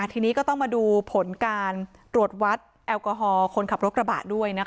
ทีนี้ก็ต้องมาดูผลการตรวจวัดแอลกอฮอล์คนขับรถกระบะด้วยนะคะ